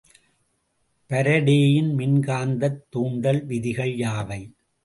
பாரடேயின் மின்காந்தத் தூண்டல் விதிகள் யாவை?